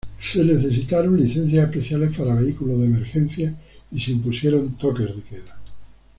Se necesitaron licencias especiales para vehículos de emergencia y se impusieron toques de queda.